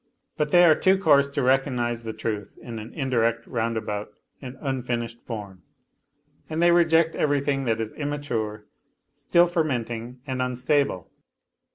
But they are too coarse to recognize the truth in a: indirect, roundabout and unfinished form, and they rejec everything that is immature, still fermenting and unstable.